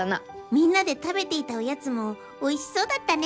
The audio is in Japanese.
みんなで食べていたおやつもおいしそうだったね。